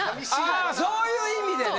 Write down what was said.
ああそういう意味でね。